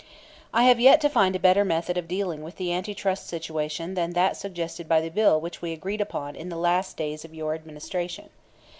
"I have yet to find a better method of dealing with the anti trust situation than that suggested by the bill which we agreed upon in the last days of your Administration.